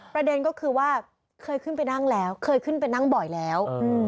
ประเด็นก็คือว่าเคยขึ้นไปนั่งแล้วเคยขึ้นไปนั่งบ่อยแล้ว